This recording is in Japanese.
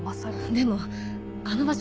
でもあの場所